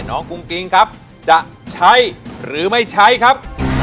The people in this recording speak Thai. กุ้งกิ๊งครับจะใช้หรือไม่ใช้ครับ